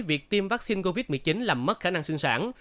việc tiêm vaccine covid một mươi chín làm mất khả năng sinh sản